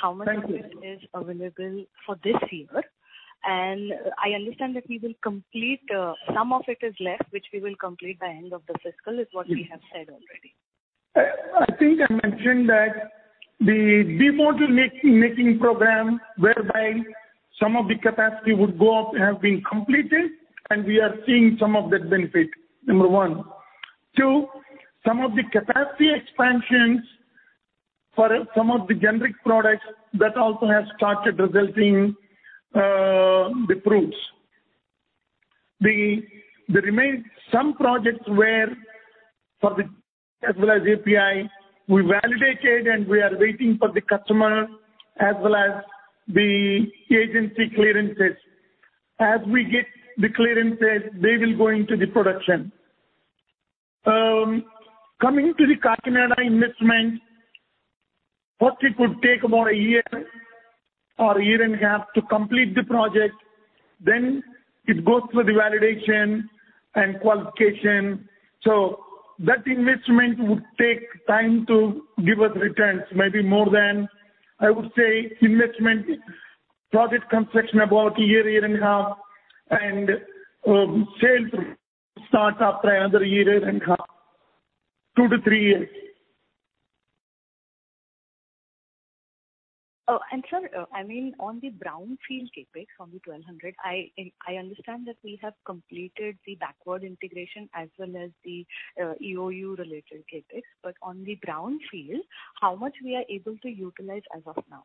Speaker 13: How much of it is available for this year? I understand that some of it is left, which we will complete by end of the fiscal, is what we have said already.
Speaker 3: I think I mentioned that the de-bottlenecking program, whereby some of the capacity would go up, have been completed and we are seeing some of that benefit. Number one. Two, some of the capacity expansions for some of the generic products also have started resulting in the proofs. Some projects where for the as well as API, we validated and we are waiting for the customer as well as the agency clearances. As we get the clearances, they will go into the production. Coming to the Kakinada investment, what it would take about a year or a year and a half to complete the project, then it goes through the validation and qualification. That investment would take time to give us returns, maybe more than, I would say, investment project construction about a year and a half, and sales start after another year and a half, two to three years.
Speaker 13: Sir, on the brownfield CapEx on the 1,200, I understand that we have completed the backward integration as well as the EOU-related CapEx. On the brownfield, how much we are able to utilize as of now?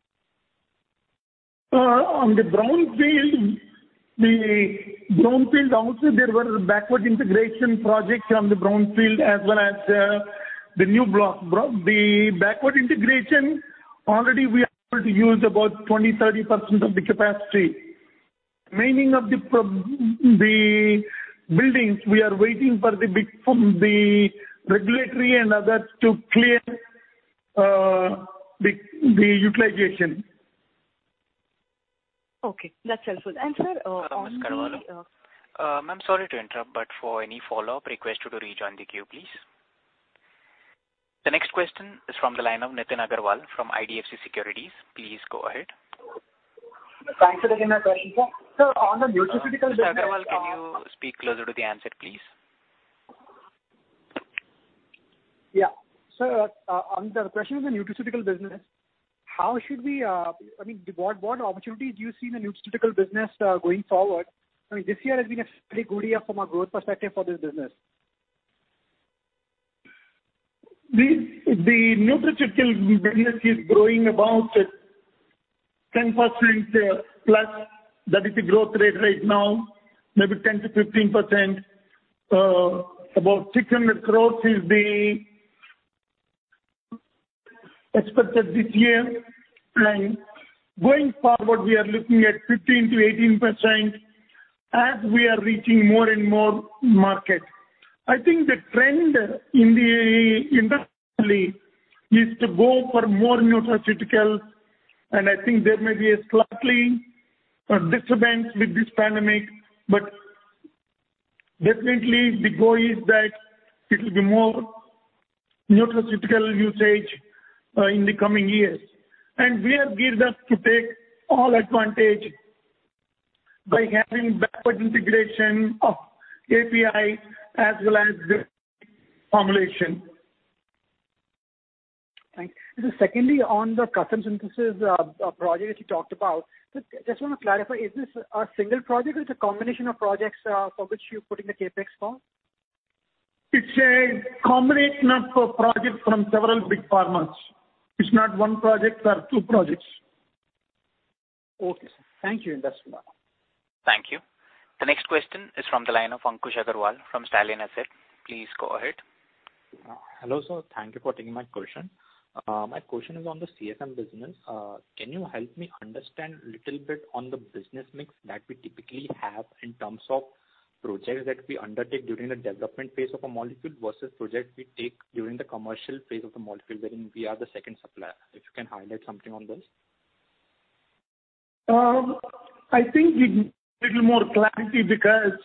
Speaker 3: On the brownfield also, there were backward integration projects from the brownfield as well as the new block. The backward integration, already we are able to use about 20%, 30% of the capacity. Remaining of the buildings, we are waiting for the regulatory and others to clear the utilization.
Speaker 13: Okay, that's helpful.
Speaker 1: Ms. Carvalho, I'm sorry to interrupt, but for any follow-up, I request you to rejoin the queue, please. The next question is from the line of Nitin Aggarwal from IDFC Securities. Please go ahead.
Speaker 14: Thanks for taking my question. On the nutraceutical business-
Speaker 1: Mr. Aggrawal, can you speak closer to the handset, please?
Speaker 14: Yeah. Sir, the question is on nutraceutical business. What opportunity do you see in the nutraceutical business going forward? This year has been a very good year from a growth perspective for this business.
Speaker 3: The nutraceutical business is growing about 10%+. That is the growth rate right now, maybe 10%-15%. About INR 600 crores is expected this year. Going forward, we are looking at 15%-18% as we are reaching more and more markets. I think the trend in the industry is to go for more nutraceutical, and I think there may be a slightly disturbance with this pandemic, but definitely the goal is that it'll be more nutraceutical usage in the coming years. We are geared up to take all advantage by having backward integration of API as well as the formulation.
Speaker 14: Thanks. Secondly, on the Custom Synthesis project you talked about. Just want to clarify, is this a single project or it is a combination of projects for which you are putting the CapEx for?
Speaker 3: It's a combination of projects from several Big Pharmas. It's not one project, there are two projects.
Speaker 14: Okay, sir. Thank you. That's all.
Speaker 1: Thank you. The next question is from the line of Ankush Agrawal from Stallion Asset. Please go ahead.
Speaker 15: Hello, sir. Thank you for taking my question. My question is on the CSM business. Can you help me understand little bit on the business mix that we typically have in terms of projects that we undertake during the development phase of a molecule versus project we take during the commercial phase of the molecule, wherein we are the second supplier? If you can highlight something on this.
Speaker 3: I think we need little more clarity because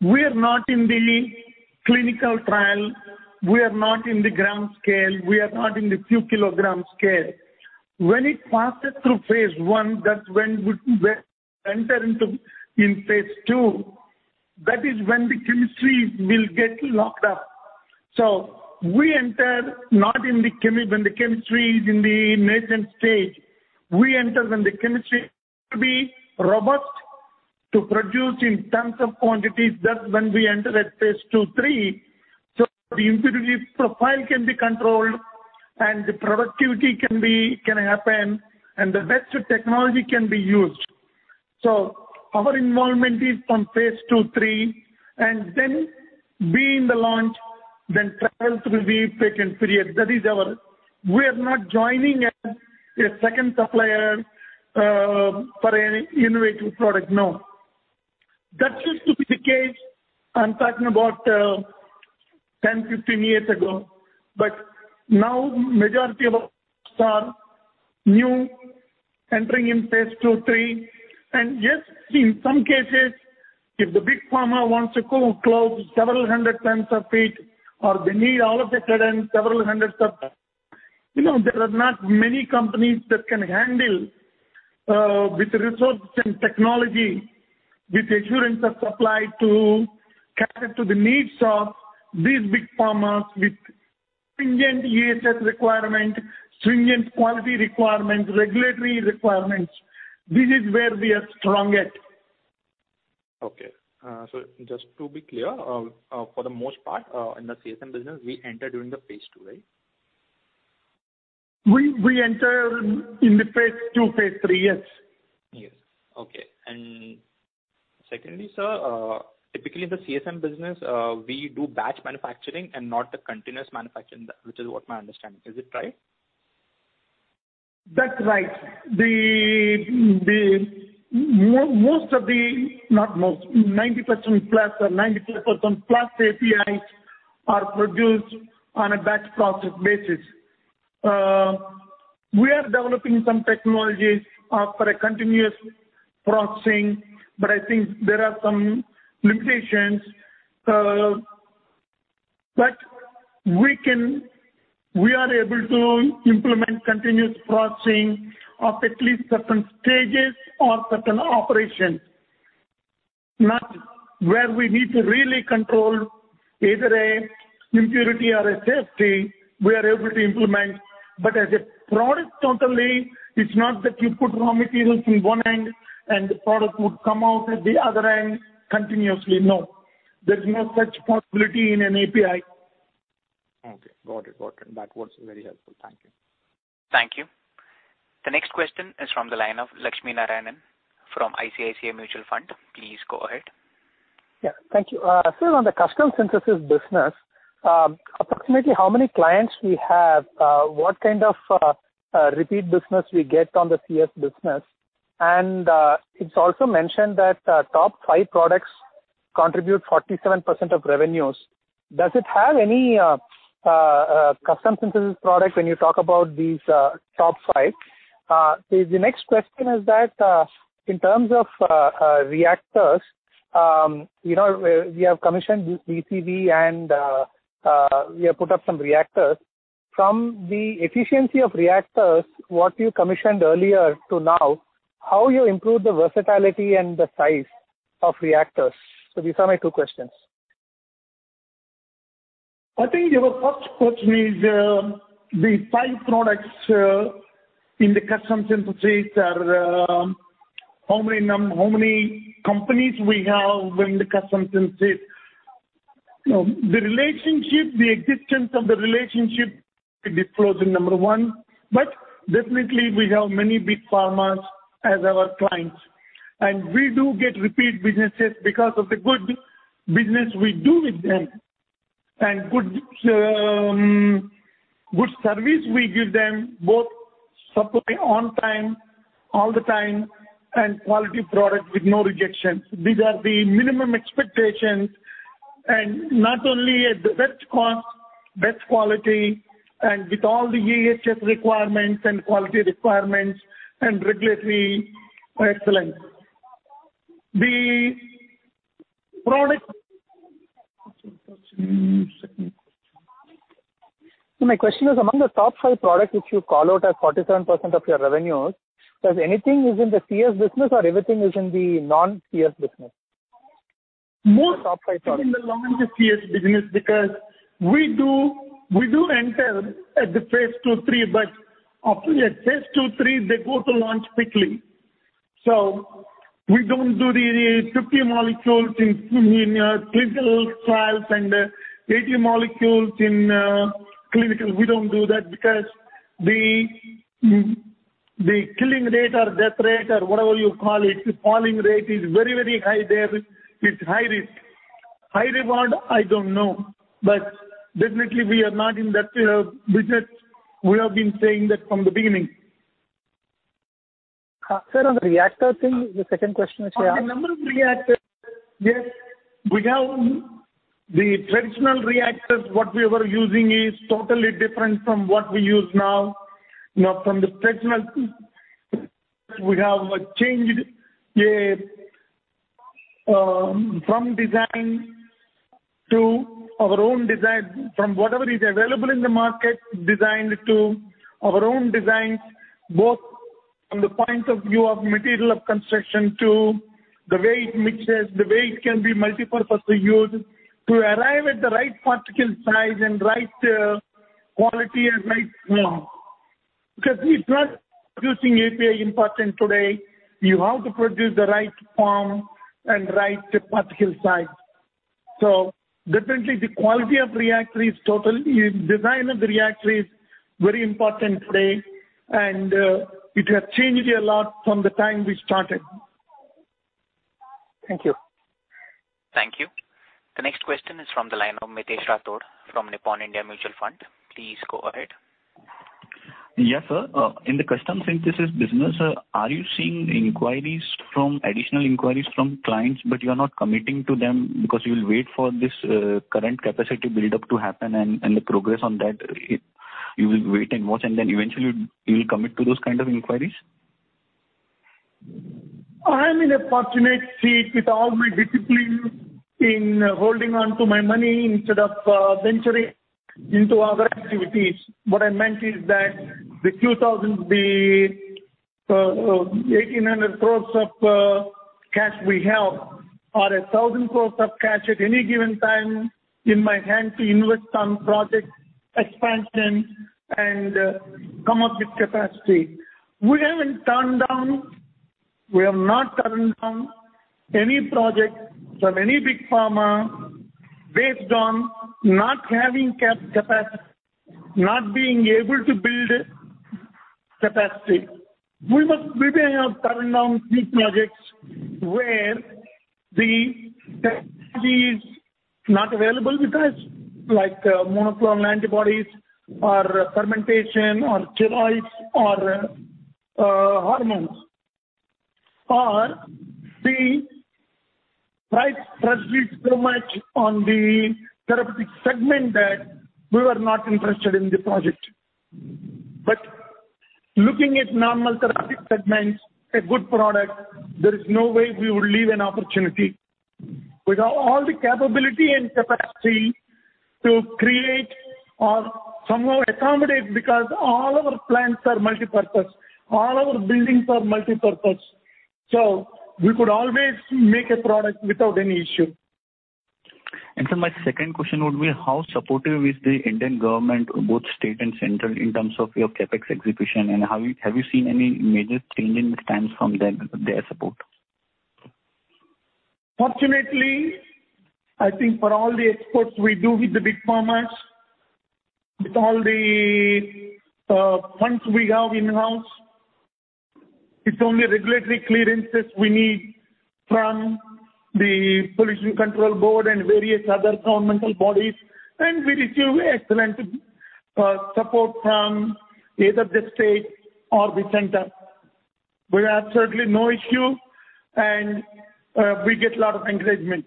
Speaker 3: we are not in the clinical trial, we are not in the gram scale, we are not in the few kilograms scale. When it passes through phase I, that's when we enter in phase II. That is when the chemistry will get locked up. We enter not when the chemistry is in the nascent stage. We enter when the chemistry is robust to produce in tons of quantities. That's when we enter at phase II, III, so the impurity profile can be controlled, and the productivity can happen, and the best technology can be used. Our involvement is from phase II, III, and then be in the launch, then trials will be patent period. We are not joining as a second supplier for any innovative product, no. That used to be the case, I'm talking about 10, 15 years ago. Now majority of our clients are new, entering in phase II, III. Yes, in some cases, if the Big Pharma wants to close several hundred tons of it, or they need all of a sudden several hundred tons, there are not many companies that can handle with resource and technology, with assurance of supply to cater to the needs of these Big Pharmas with stringent EHS requirement, stringent quality requirement, regulatory requirements. This is where we are strong at.
Speaker 15: Okay. Just to be clear, for the most part, in the CSM business, we enter during the phase II, right?
Speaker 3: We enter in the phase II, phase III, yes.
Speaker 15: Yes. Okay. Secondly, sir, typically in the CSM business, we do batch manufacturing and not the continuous manufacturing, which is what my understanding. Is it right?
Speaker 3: That's right. Most of the Not most. 90%+ or 92%+ APIs are produced on a batch process basis. We are developing some technologies for a continuous processing, I think there are some limitations. We are able to implement continuous processing of at least certain stages or certain operations. Now, where we need to really control either a impurity or a safety, we are able to implement. As a product totally, it's not that you put raw materials in one end and the product would come out at the other end continuously. No. There is no such possibility in an API.
Speaker 15: Okay, got it. That was very helpful. Thank you.
Speaker 1: Thank you. The next question is from the line of Lakshmi Narayanan from ICICI Mutual Fund. Please go ahead.
Speaker 16: Thank you. Sir, on the Custom Synthesis business, approximately how many clients we have, what kind of repeat business we get on the CS business? It's also mentioned that top five products contribute 47% of revenues. Does it have any Custom Synthesis product when you talk about these top five? The next question is that, in terms of reactors, we have commissioned BCV and we have put up some reactors. From the efficiency of reactors, what you commissioned earlier to now, how you improve the versatility and the size of reactors? These are my two questions.
Speaker 3: I think your first question is the five products in the Custom Synthesis or how many companies we have in the Custom Synthesis. The relationship, the existence of the relationship disclosed in number 1. Definitely we have many Big Pharmas as our clients. We do get repeat businesses because of the good business we do with them, and good service we give them, both supply on time, all the time, and quality product with no rejections. These are the minimum expectations, and not only at the best cost, best quality, and with all the EHS requirements and quality requirements and regulatory excellence.
Speaker 16: My question is, among the top five products which you call out as 47% of your revenues, does anything is in the CS business or everything is in the non-CS business? The top five products.
Speaker 3: Most is in the non-CS business because we do enter at the phase II, III, but after phase II, III, they go to launch quickly. We don't do the 50 molecules in clinical trials and 80 molecules in clinical. We don't do that because the killing rate or death rate or whatever you call it, the falling rate is very high there. It's high risk. High reward, I don't know. Definitely we are not in that business. We have been saying that from the beginning.
Speaker 16: Sir, on the reactor thing, the second question is.
Speaker 3: On the number of reactors, yes, we have the traditional reactors, what we were using is totally different from what we use now. From the traditional, we have changed from design to our own design, from whatever is available in the market designed to our own design, both from the point of view of material of construction to the way it mixes, the way it can be multipurpose to use, to arrive at the right particle size and right quality and right form. Because it's not producing API important today, you have to produce the right form and right particle size. Definitely the quality of reactor is total. Design of the reactor is very important today, and it has changed a lot from the time we started.
Speaker 16: Thank you.
Speaker 1: Thank you. The next question is from the line of Ritesh Rathod from Nippon India Mutual Fund. Please go ahead.
Speaker 17: Yes, sir. In the Custom Synthesis business, are you seeing additional inquiries from clients, but you are not committing to them because you'll wait for this current capacity build-up to happen and the progress on that, you will wait and watch, and then eventually you'll commit to those kind of inquiries?
Speaker 3: I'm in a fortunate seat with all my discipline in holding onto my money instead of venturing into other activities. What I meant is that the 1,800 crores of cash we have or 1,000 crores of cash at any given time in my hand to invest on projects expansion and come up with capacity. We haven't turned down any project from any big pharma based on not having capacity, not being able to build capacity. We may have turned down few projects where the technology is not available, because like monoclonal antibodies or fermentation or steroids or hormones. The price pressured so much on the therapeutic segment that we were not interested in the project. Looking at normal therapeutic segments, a good product, there is no way we would leave an opportunity. We've got all the capability and capacity to create or somehow accommodate, because all our plants are multipurpose, all our buildings are multipurpose. We could always make a product without any issue.
Speaker 17: Sir, my second question would be, how supportive is the Indian government, both state and central, in terms of your CapEx execution, and have you seen any major change in times from their support?
Speaker 3: Fortunately, I think for all the exports we do with the big pharmas, with all the funds we have in-house, it's only regulatory clearances we need from the Pollution Control Board and various other governmental bodies, and we receive excellent support from either the state or the center. We have certainly no issue, and we get lot of encouragement.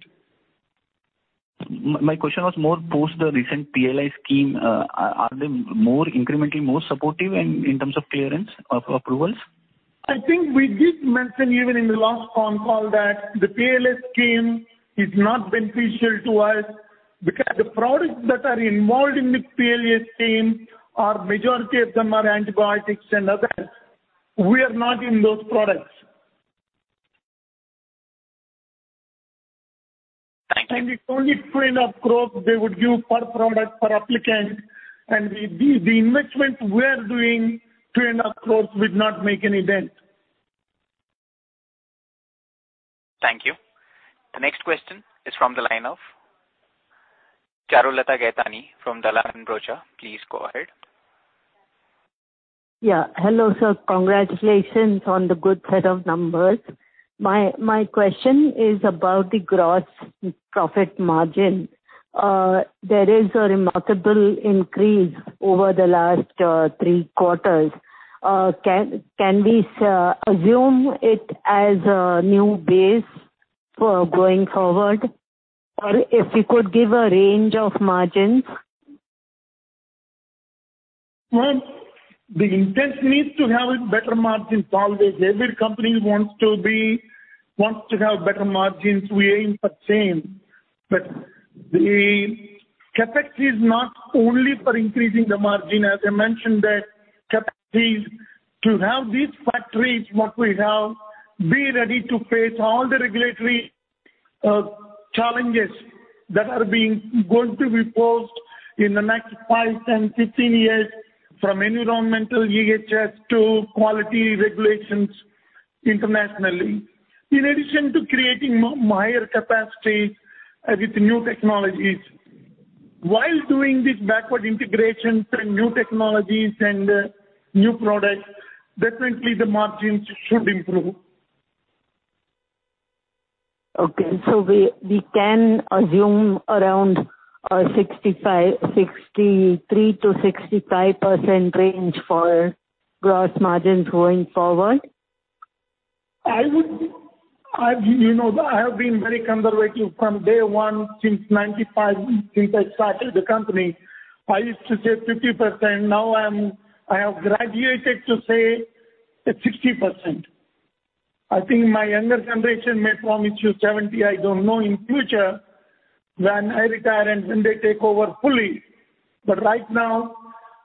Speaker 17: My question was more post the recent PLI scheme. Are they incrementally more supportive in terms of clearance of approvals?
Speaker 3: I think we did mention even in the last con call that the PLI scheme is not beneficial to us, because the products that are involved in the PLI scheme, a majority of them are antibiotics and others. We are not in those products. It's only INR 2.5 crores they would give per product, per applicant, and the investment we're doing, INR 2.5 crores would not make any dent.
Speaker 1: Thank you. The next question is from the line of Charulata Gaidhani from Dalal & Broacha. Please go ahead.
Speaker 18: Yeah. Hello, sir. Congratulations on the good set of numbers. My question is about the gross profit margin. There is a remarkable increase over the last three quarters. Can we assume it as a new base for going forward, or if you could give a range of margins?
Speaker 3: Well, the intent needs to have better margins always. Every company wants to have better margins. We aim for same, but the capacity is not only for increasing the margin. As I mentioned, the capacity is to have these factories, what we have, be ready to face all the regulatory challenges that are going to be posed in the next five, 10, 15 years, from environmental EHS to quality regulations internationally, in addition to creating more higher capacity with new technologies. While doing this backward integrations and new technologies and new products, definitely the margins should improve.
Speaker 18: Okay, we can assume around 63%-65% range for gross margins going forward?
Speaker 3: I have been very conservative from day one since 1995, since I started the company. I used to say 50%. Now I have graduated to say 60%. I think my younger generation may promise you 70%, I don't know, in future, when I retire and when they take over fully. Right now,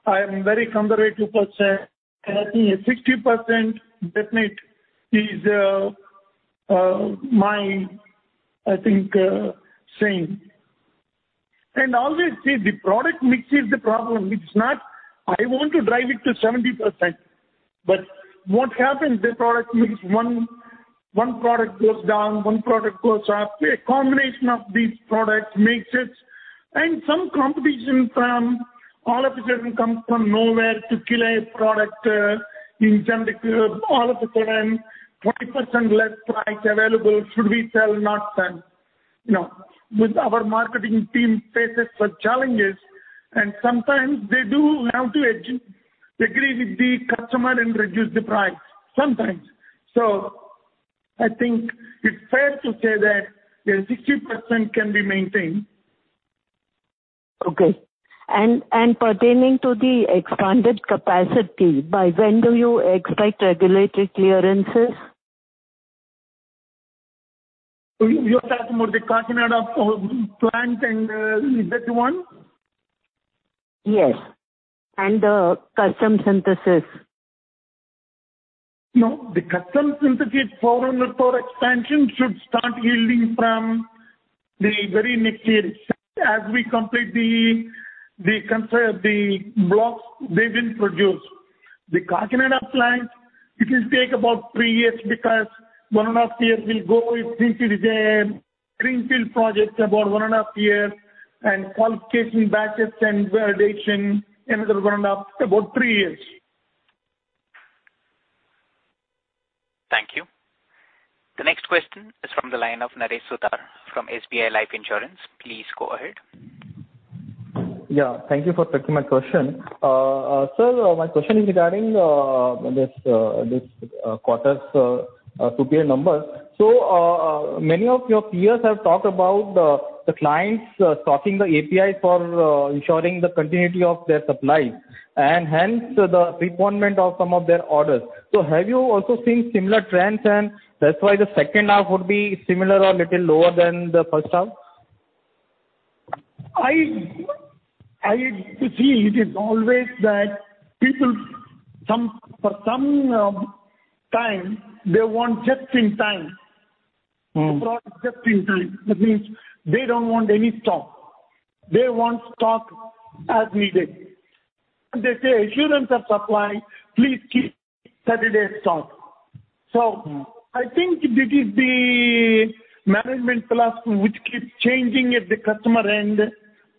Speaker 3: I am very conservative person, and I think a 60% definite is my saying. Always, see, the product mix is the problem. It's not I want to drive it to 70%, but what happens, the product mix, one product goes down, one product goes up. A combination of these products makes it. Some competition from all of a sudden comes from nowhere to kill a product. In generic, all of a sudden, 20% less price available. Should we sell, not sell? With our marketing team faces such challenges, sometimes they do have to agree with the customer and reduce the price. I think it's fair to say that the 60% can be maintained.
Speaker 18: Okay. Pertaining to the expanded capacity, by when do you expect regulatory clearances?
Speaker 3: You're talking about the Kakinada plant and that one?
Speaker 18: Yes. The Custom Synthesis.
Speaker 3: No. The Custom Synthesis 400 tons expansion should start yielding from the very next year as we complete the blocks they didn't produce. The Kakinada plant, it will take about three years because 1.5 years will go with greenfield design, greenfield projects, about 1.5 years, and qualification batches and validation, another 1.5. About three years.
Speaker 1: Thank you. The next question is from the line of Naresh Suthar from SBI Life Insurance. Please go ahead.
Speaker 19: Yeah. Thank you for taking my question. Sir, my question is regarding this quarter's numbers. Many of your peers have talked about the clients stocking the API for ensuring the continuity of their supply, and hence the preponement of some of their orders. Have you also seen similar trends, and that's why the second half would be similar or little lower than the first half?
Speaker 3: You see, it is always that people, for some time, they want just in time. The product just in time. That means they don't want any stock. They want stock as needed. They say, "Assurance of supply, please keep 30 days stock. I think this is the management philosophy which keeps changing at the customer end,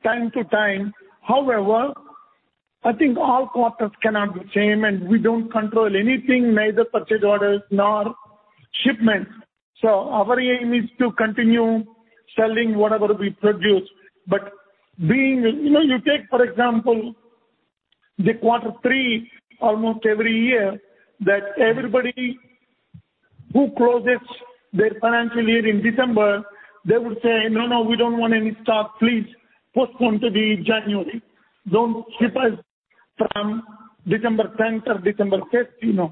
Speaker 3: time to time. I think all quarters cannot be same, and we don't control anything, neither purchase orders nor shipments. Our aim is to continue selling whatever we produce. You take, for example, the quarter three, almost every year, that everybody who closes their financial year in December, they would say, "No, no, we don't want any stock. Please postpone to the January. Don't ship us from December 10th or December 5th."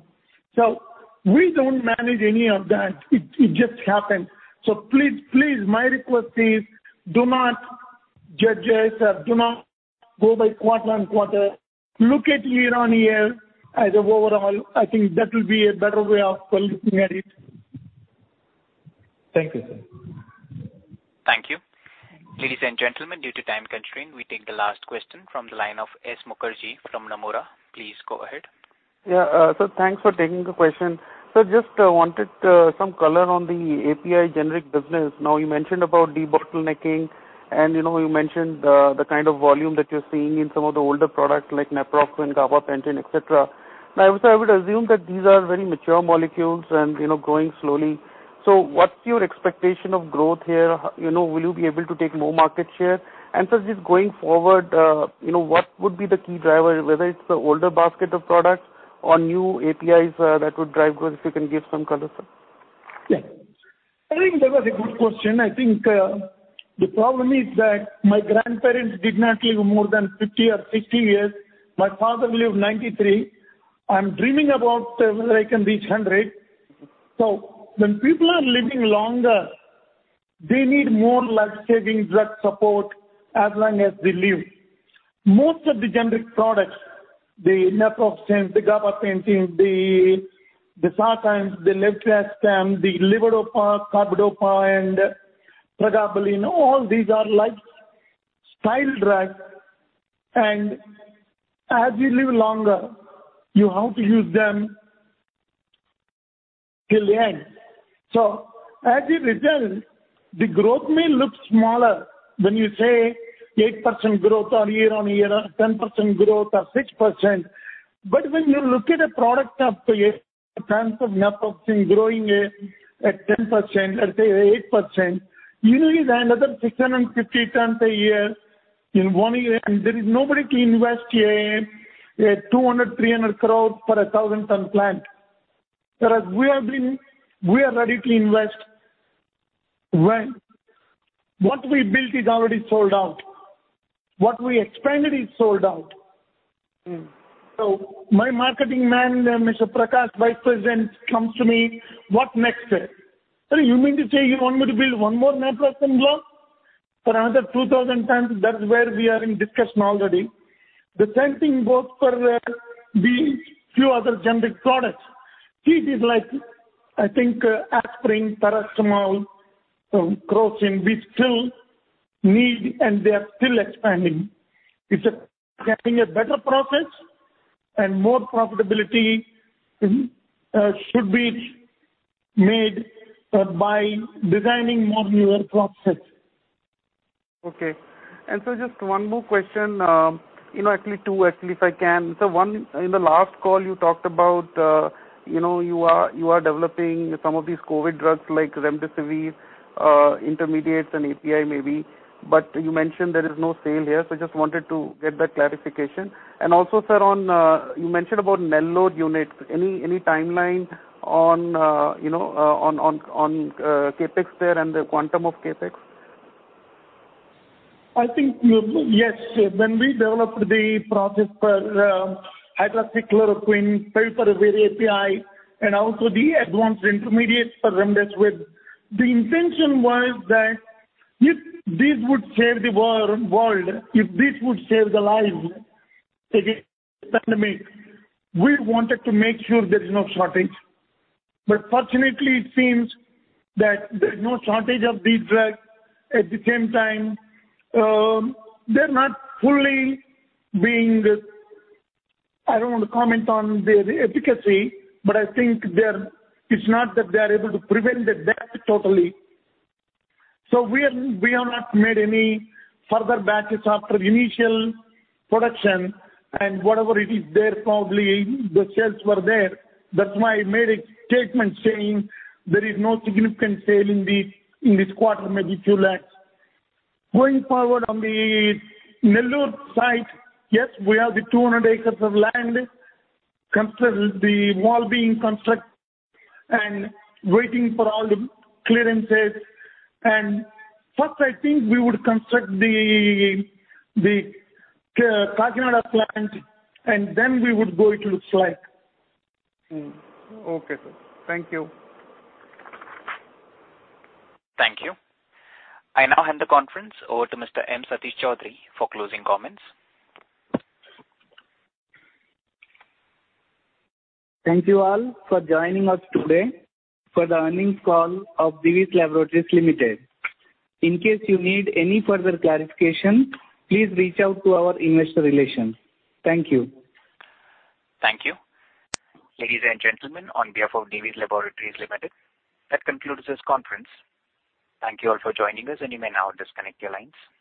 Speaker 3: We don't manage any of that. It just happens. Please, my request is, do not judge us. Do not go by quarter-over-quarter. Look at year-over-year as overall. I think that will be a better way of looking at it.
Speaker 19: Thank you, sir.
Speaker 1: Thank you. Ladies and gentlemen, due to time constraint, we take the last question from the line of S. Mukherjee from Nomura. Please go ahead.
Speaker 20: Yeah. Sir, thanks for taking the question. Sir, just wanted some color on the API generic business. Now, you mentioned about de-bottlenecking, and you mentioned the kind of volume that you're seeing in some of the older products like naproxen, gabapentin, et cetera. Now, I would assume that these are very mature molecules and growing slowly. What's your expectation of growth here? Will you be able to take more market share? Sir, just going forward, what would be the key driver, whether it's the older basket of products or new APIs that would drive growth? If you can give some color, sir.
Speaker 3: I think that was a good question. I think the problem is that my grandparents did not live more than 50 or 60 years. My father lived 93. I am dreaming about whether I can reach 100. When people are living longer, they need more life-saving drug support as long as they live. Most of the generic products, the naproxen, the gabapentin, the sartans, the levothyroxine, the levodopa, carbidopa and pregabalin, all these are lifestyle drugs, and as you live longer, you have to use them till the end. As a result, the growth may look smaller when you say 8% growth on year-on-year, or 10% growth or 6%. When you look at a product up to a ton of naproxen growing at 10%, let's say 8%, you need another 650 tons per year in one year. There is nobody to invest here 200 crores, 300 crores for 1,000 tons plant. Whereas we are ready to invest when what we built is already sold out. What we expanded is sold out. My marketing man, Mr. Prakash, vice president, comes to me, "What next?" "Sir, you mean to say you want me to build one more naproxen block for another 2,000 tons?" That's where we are in discussion already. The same thing goes for these few other generic products. It is like, I think, aspirin, paracetamol, Crocin, we still need, and they are still expanding. It's getting a better process and more profitability should be made by designing more newer processes.
Speaker 20: Okay. Sir, just one more question. Actually two, actually, if I can. One, in the last call you talked about you are developing some of these COVID-19 drugs like remdesivir intermediates and API maybe, but you mentioned there is no sale here. Just wanted to get that clarification. Also, sir, you mentioned about Nellore unit. Any timeline on CapEx there and the quantum of CapEx?
Speaker 3: I think, yes. When we developed the process for hydroxychloroquine, favipiravir API, and also the advanced intermediates for remdesivir, the intention was that if this would save the world, if this would save the lives against the pandemic, we wanted to make sure there's no shortage. Fortunately, it seems that there's no shortage of these drugs. At the same time, they're not fully I don't want to comment on their efficacy, but I think it's not that they are able to prevent the death totally. We have not made any further batches after initial production, and whatever it is there, probably the sales were there. That's why I made a statement saying there is no significant sale in this quarter, maybe 2 lakhs. Going forward on the Nellore site, yes, we have the 200 acres of land. The wall being constructed and waiting for all the clearances. First, I think we would construct the Kakinada plant, and then we would go into Nellore.
Speaker 20: Mm-hmm. Okay, sir. Thank you.
Speaker 1: Thank you. I now hand the conference over to Mr. M. Satish Choudhury for closing comments.
Speaker 2: Thank you all for joining us today for the earnings call of Divi's Laboratories Limited. In case you need any further clarification, please reach out to our investor relations. Thank you.
Speaker 1: Thank you. Ladies and gentlemen, on behalf of Divi's Laboratories Limited, that concludes this conference. Thank you all for joining us, and you may now disconnect your lines.